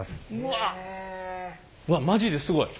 わっマジですごい。